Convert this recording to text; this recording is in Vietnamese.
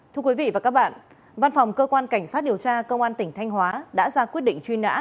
thưa quý vị và các bạn văn phòng cơ quan cảnh sát điều tra công an tỉnh thanh hóa đã ra quyết định truy nã